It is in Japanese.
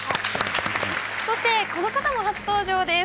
そしてこの方も初登場です。